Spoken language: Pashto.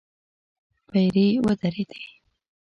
پيرې ودرېدې.